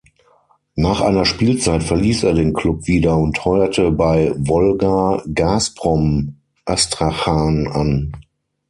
Nach einer Spielzeit verließ er den Klub wieder und heuerte bei Wolgar-Gasprom Astrachan an.